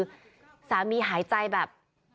คือสามีหายใจแบบ